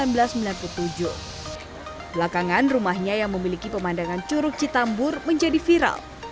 belakangan rumahnya yang memiliki pemandangan curug citambur menjadi viral